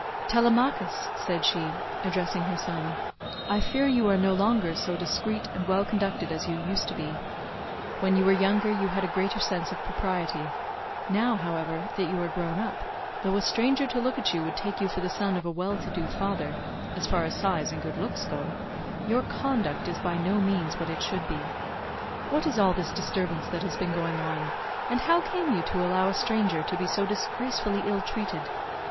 "Telemachus," said she, addressing her son, "I fear you are no longer so discreet and well conducted as you used to be. When you were younger you had a greater sense of propriety; now, however, that you are grown up, though a stranger to look at you would take you for the son of a well to do father as far as size and good looks go, your conduct is by no means what it should be. What is all this disturbance that has been going on, and how came you to allow a stranger to be so disgracefully ill treated?